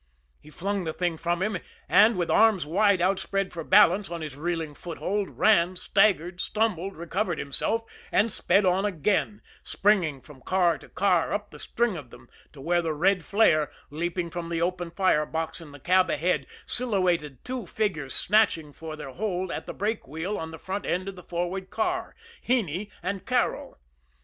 He flung the thing from him; and, with arms wide outspread for balance on his reeling foothold, ran, staggered, stumbled, recovered himself, and sped on again, springing from car to car, up the string of them, to where the red flare, leaping from the open fire box in the cab ahead, silhouetted two figures snatching for their hold at the brake wheel on the front end of the forward car Heney and Carrol.